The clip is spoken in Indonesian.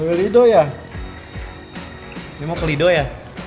beli doya ini mau ke lido ya